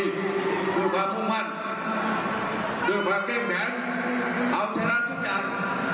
ต้องกลับทุนพันธ์ด้วยความครีบแขนเขาชนะทุกอย่าง